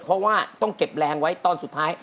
เพราะว่าต้องเก็บแรงไว้ตอนสุดท้าย